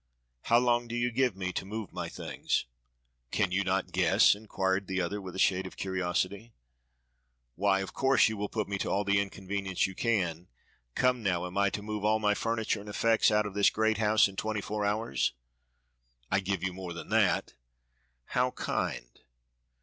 How long do you give me to move my things?" "Can you not guess?" inquired the other with a shade of curiosity. "Why, of course you will put me to all the inconvenience you can. Come, now, am I to move all my furniture and effects out of this great house in twenty four hours?" "I give you more than that." "How kind!